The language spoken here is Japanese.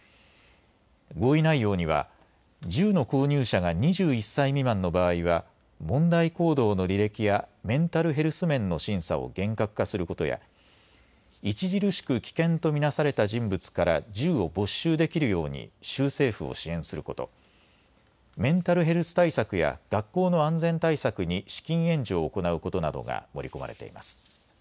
合意内容には銃の購入者が２１歳未満の場合は問題行動の履歴やメンタルヘルス面の審査を厳格化することや著しく危険と見なされた人物から銃を没収できるように州政府を支援すること、メンタルヘルス対策や学校の安全対策に資金援助を行うことなどが盛り込まれています。